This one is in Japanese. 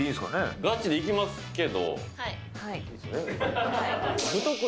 ガチでいきますけど。